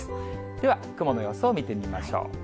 では雲の様子を見てみましょう。